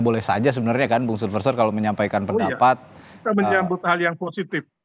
boleh saja sebenarnya kan bung survester kalau menyampaikan pendapat menyambut hal yang positif